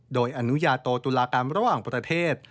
โดยอนุญาโตตุลากรรมระหว่างประเทศ